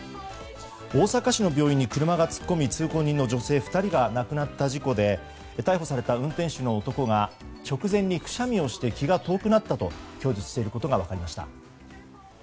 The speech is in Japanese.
大阪市の病院に車が突っ込み通行人の女性２人が亡くなった事故で逮捕された運転手の男が直前にくしゃみをして気が遠くなったと供述していることが分かりました。